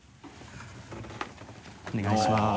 お願いします。